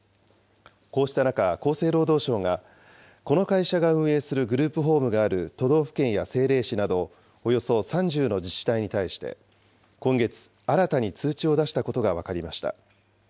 こうした中、厚生労働省が、この会社が運営するグループホームがある都道府県や政令市など、およそ３０の自治体に対して、今月、新たに通知を出したことが分かりました。